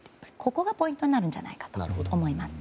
ここがポイントになるんじゃないかと思います。